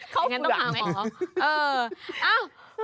เข้าผู้ดังไหม